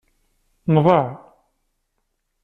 Nḍaε.